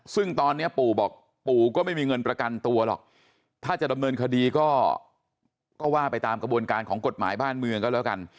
ซึ่งตอนนี้ปู่บอกปู่ก็ไม่มีเงินประกันตัวหรอกถ้าจะดำเนินคดีก็ว่าไปตามกระบวนการของกฎหมายบ้านเมืองก็แล้วกัน